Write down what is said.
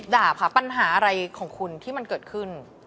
ด่าค่ะปัญหาอะไรของคุณที่มันเกิดขึ้น